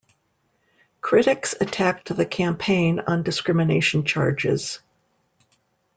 Critics attacked the campaign on discrimination charges.